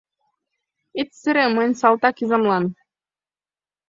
Ит сыре мыйын салтак изамлан.